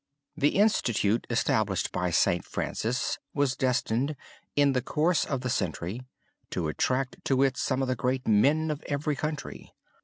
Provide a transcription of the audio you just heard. The institute established by St. Francis was destined, in the course of the century, to attract to it some of the great men of every country.